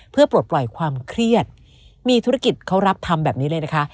เพื่อปลดปล่อยความเครียดมีธุรกิจเขารับทำแบบนี้เลยนะคะ